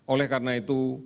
oleh karena itu